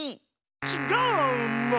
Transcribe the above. ちっがうの！